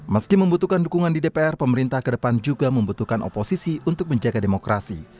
meski membutuhkan dukungan di dpr pemerintah ke depan juga membutuhkan oposisi untuk menjaga demokrasi